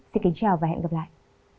xin kính chào và hẹn gặp lại